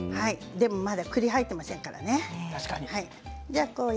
でもまだくりは入っていませんからね。